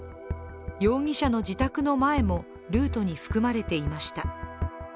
容疑者の自宅の前もルートに含まれていました。